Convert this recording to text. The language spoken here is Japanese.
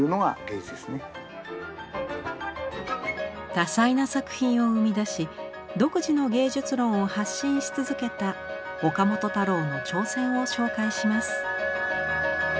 多彩な作品を生み出し独自の芸術論を発信し続けた岡本太郎の挑戦を紹介します。